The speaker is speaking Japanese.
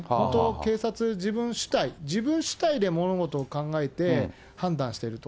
警察、自分主体、自分主体で物事を考えて、判断してると。